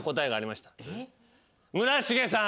村重さん。